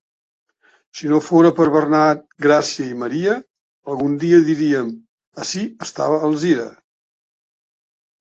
Si no fora per Bernat, Gràcia i Maria, algun dia diríem: ací estava Alzira.